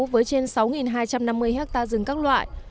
với trên sáu hai trăm năm mươi hectare rừng các loại